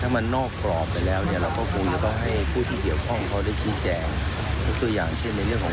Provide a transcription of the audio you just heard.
แต่พอแม่เข้าไปฟองร้อง